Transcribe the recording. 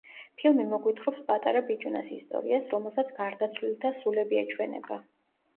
ფილმი მოგვითხრობს პატარა ბიჭუნას ისტორიას, რომელსაც გარდაცვლილთა სულები ეჩვენება.